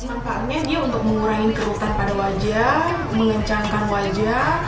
mampaknya dia untuk mengurangi kerutan pada wajah mengecangkan wajah